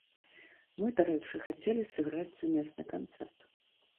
Мы, дарэчы, хацелі сыграць сумесны канцэрт.